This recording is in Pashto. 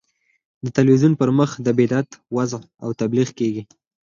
په تلویزیون پر مخ د بدعت وعظ او تبلیغ کېږي.